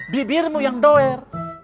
bibirmu yang doer